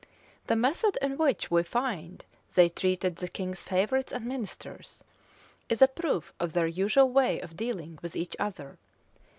The method in which we find they treated the king's favorites and ministers, is a proof of their usual way of dealing with each other.